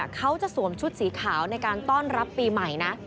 เขาจะสวมชุดสีขาวในการต้อนรับปีใหม่นะ